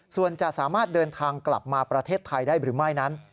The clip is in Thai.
ส่วนจะสามารถเดินทางกลับมาประเทศไทยได้หรือไม่นั้น